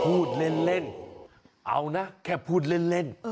พูดเล่นเอานะแค่พูดเล่น